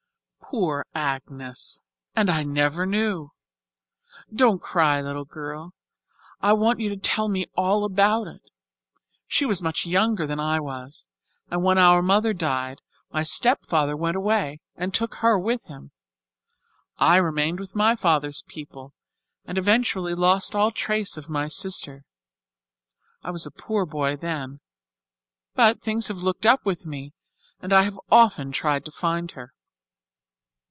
"Poor Agnes! And I never knew! Don't cry, little girl. I want you to tell me all about it. She was much younger than I was, and when our mother died my stepfather went away and took her with him. I remained with my father's people and eventually lost all trace of my sister. I was a poor boy then, but things have looked up with me and I have often tried to find her."